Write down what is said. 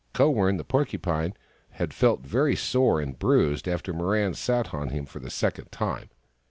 Kowern, the Porcupine, had felt very sore and bruised after Mirran had sat on him for the second time.